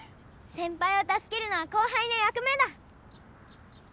先輩をたすけるのは後輩の役目だ！